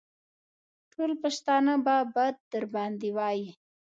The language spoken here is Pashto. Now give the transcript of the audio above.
ټول پښتانه به بد در باندې وايي.